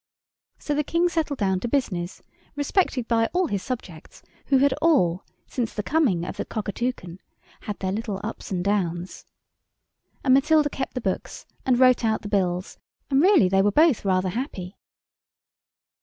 So the King settled down to business, respected by his subjects, who had all, since the coming of the Cockatoucan, had their little ups and downs. And Matilda kept the books and wrote out the bills, and really they were both rather happy.